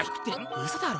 うそだろ？